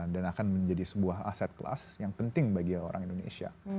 dan akan menjadi sebuah aset kelas yang penting bagi orang indonesia